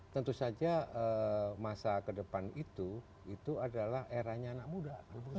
tentu saja masa kedepan itu adalah eranya anak muda